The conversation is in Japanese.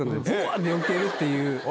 ってよけるっていう。